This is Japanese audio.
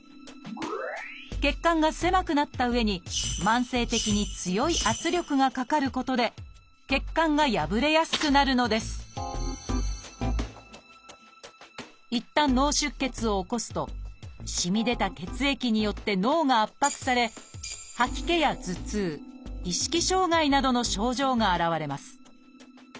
血管が狭くなったうえに慢性的に強い圧力がかかることで血管が破れやすくなるのですいったん脳出血を起こすとしみ出た血液によって脳が圧迫されなどの症状が現れます。